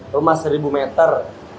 rumah seribu meter